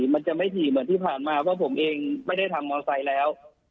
มันจะไม่ถี่เหมือนที่ผ่านมาเพราะผมเองไม่ได้ทำมอไซค์แล้ว